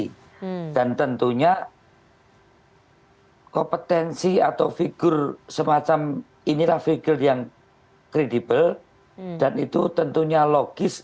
nah tentunya kompetensi atau figur semacam inilah figur yang kredibel dan itu tentunya logis